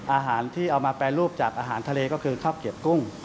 อาหารที่เอามาแปรรูปจากอาหารทะเลก็คือข้าวเกียบกุ้ง